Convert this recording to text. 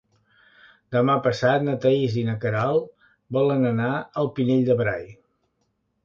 Demà passat na Thaís i na Queralt volen anar al Pinell de Brai.